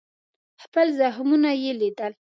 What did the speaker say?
خپل زخمونه یې لیدل.